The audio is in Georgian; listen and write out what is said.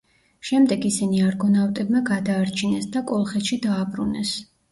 შემდეგ ისინი არგონავტებმა გადაარჩინეს და კოლხეთში დააბრუნეს.